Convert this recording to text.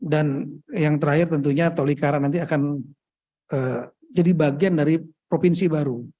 dan yang terakhir tentunya tolikara nanti akan jadi bagian dari provinsi baru